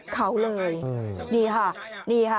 เขาเลยนี่ค่ะนี่ค่ะ